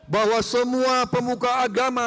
bahwa semua pemuka agama